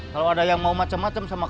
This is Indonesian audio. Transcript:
kalau ada yang mau macem macem sama kami